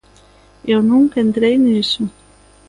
Eu nunca entrei niso.